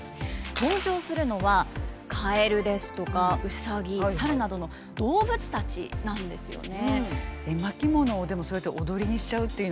登場するのは蛙ですとか兎猿などの動物たちなんですよね。